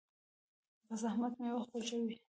د زحمت میوه خوږه وي.